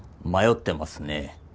迷ってますね。